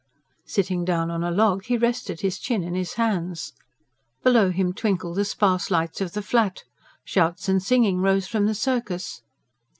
Sitting down on a log he rested his chin in his hands. Below him twinkled the sparse lights of the Flat; shouts and singing rose from the circus.